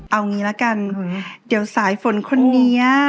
เอางี้ละกันเดี๋ยวสายฝนคนนี้